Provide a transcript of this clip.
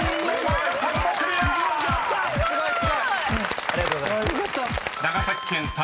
ありがとうございます。